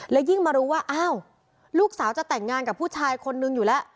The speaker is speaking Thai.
และยิ่งมารู้ว่าอ้าวลูกสาวจะแต่งงานกับผู้ชายคนนึงอยู่แล้ว